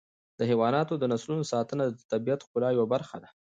د حیواناتو د نسلونو ساتنه د طبیعت د ښکلا یوه برخه ده.